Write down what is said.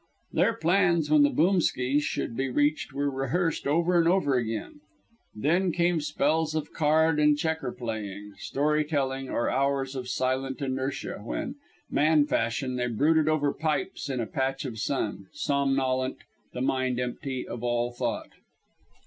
Their plans when the "Boomskys" should be reached were rehearsed over and over again. Then came spells of card and checker playing, story telling, or hours of silent inertia when, man fashion, they brooded over pipes in a patch of sun, somnolent, the mind empty of all thought.